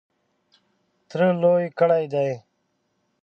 تره لوی کړی دی .